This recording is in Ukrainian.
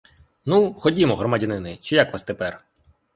Ну, ходімо, громадянине, чи як вас тепер!